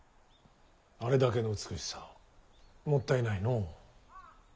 あれだけの美しさもったいないのう。